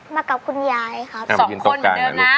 มากับคุณยายครับ